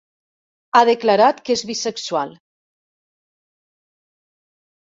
Ha declarat que és bisexual.